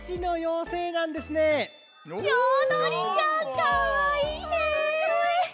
かわいいち。